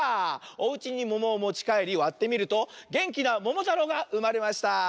おうちにももをもちかえりわってみるとげんきなももたろうがうまれました。